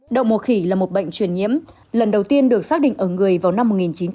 đậu mùa khỉ là một bệnh truyền nhiễm lần đầu tiên được xác định ở người vào năm một nghìn chín trăm bảy mươi